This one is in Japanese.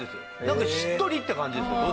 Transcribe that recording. なんかしっとりって感じですよ